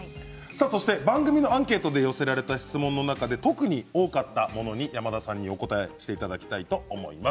番組のアンケートで寄せられた質問の中で特に多かったものに山田さんにお答えしていただきます。